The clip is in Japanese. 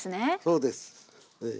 そうです。